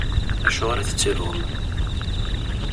Acuɣeṛ i tettrum?